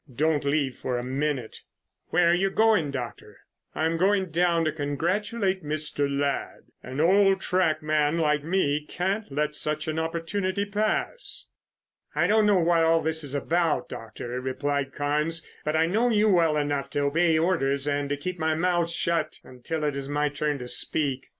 Don't leave it for a minute." "Where are you going, Doctor?" "I'm going down and congratulate Mr. Ladd. An old track man like me can't let such an opportunity pass." "I don't know what this is all about, Doctor," replied Carnes, "but I know you well enough to obey orders and to keep my mouth shut until it is my turn to speak."